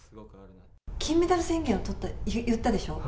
金メダル宣言を言ったでしょ？